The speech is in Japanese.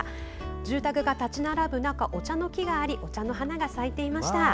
住宅が立ち並ぶ中お茶の木がありお茶の花が咲いていました。